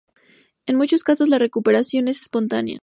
En muchos casos la recuperación es espontánea.